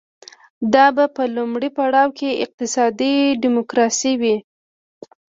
دا به په لومړي پړاو کې اقتصادي ډیموکراسي وي.